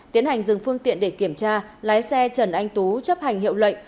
tiến hành dừng phương tiện để kiểm tra lái xe trần anh tú chấp hành hiệu lệnh